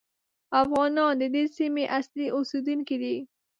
افغانان د دې سیمې اصلي اوسېدونکي دي.